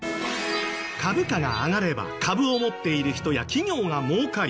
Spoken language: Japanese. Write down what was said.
株価が上がれば株を持っている人や企業が儲かり